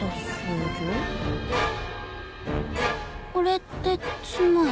これってつまり？